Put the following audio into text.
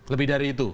lebih dari itu